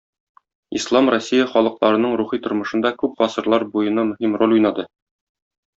Ислам Россия халыкларының рухи тормышында күп гасырлар буена мөһим роль уйнады.